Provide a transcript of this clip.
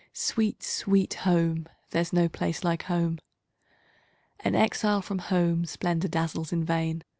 Sweet, Sweet Home! There's no place like Home! An exile from home, splendor dazzles in vain!